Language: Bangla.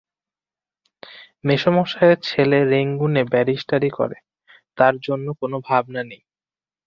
মেসোমশায়ের ছেলে রেঙ্গুনে ব্যারিস্টারি করে, তার জন্যে কোনে ভাবনা নেই।